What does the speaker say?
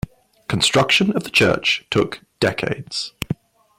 Construction of the church took decades.